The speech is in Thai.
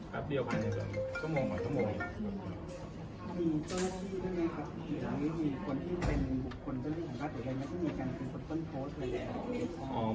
แป๊บเดียวไปหนึ่งชั่วโมงกว่าชั่วโมง